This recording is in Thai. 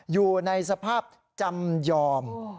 อยู่ในสภาพจำยอม